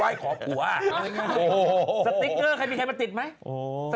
สติกเกอร์มีใครมาติดไหม